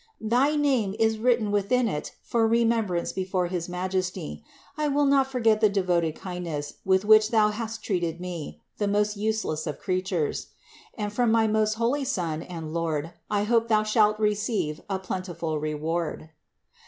Thy name is written within it for remembrance before his Majesty. I will not forget the devoted kindness with which thou hast treated me, the most useless of creatures ; and from my most holy Son and Lord I hope thou shalt receive a plentiful reward/* 285.